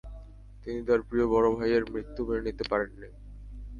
তিনি তার প্রিয় বড় ভাইয়ের মৃত্যু মেনে নিতে পারেননি।